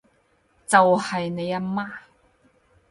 就係你阿媽